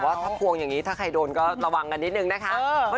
ถ้าควงอย่างนี้ถ้าใครโดนก็ระวังกันนิดนึงนะคะ